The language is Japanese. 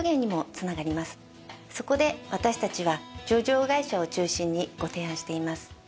そこで私たちは上場会社を中心にご提案しています。